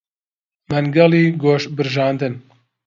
مەنگەڵی گۆشت برژاندن